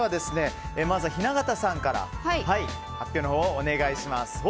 まずは雛形さんから発表をお願いします。